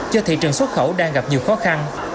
do thị trường xuất khẩu đang gặp nhiều khó khăn